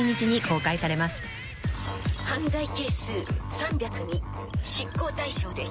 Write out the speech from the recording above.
「犯罪係数３０２執行対象です」